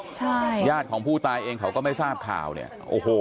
ใช่ญาติของผู้ตายเองเขาก็ไม่ทราบข่าวเนี่ยโอ้โห